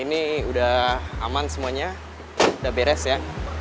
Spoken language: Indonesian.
ini udah aman semuanya udah beres ya